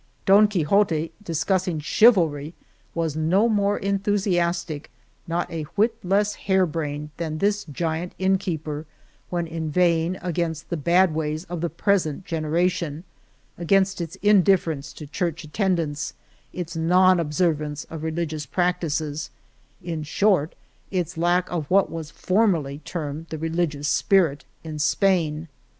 Don Quixote discus sing chivalry was no more enthusiastic, not a whit less hare brained than this giant inn 158 El Toboso keeper when inveighing against the bad ways of the present generation, against its indif ference to church attendance, its non observ ance of religious practices — in short, its lack of what was formerly termed the religious spirit in Spain.